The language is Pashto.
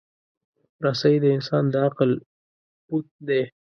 رسۍ د انسان د عقل پُت دی.